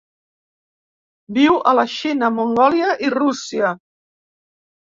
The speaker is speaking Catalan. Viu a la Xina, Mongòlia i Rússia.